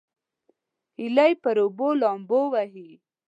هیلۍ پر اوبو لامبو وهي